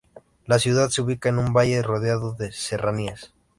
La ciudad se ubica en un valle rodeado de serranías.